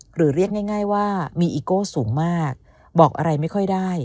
หรือเรียกง่ายว่ามีอิโก้สูงมากบอกอะไรไม่ค่อยได้